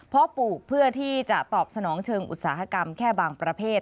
เพราะปลูกเพื่อที่จะตอบสนองเชิงอุตสาหกรรมแค่บางประเภท